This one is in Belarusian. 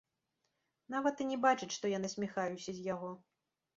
Нават і не бачыць, што я насміхаюся з яго.